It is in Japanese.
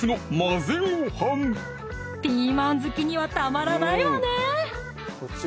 ピーマン好きにはたまらないわね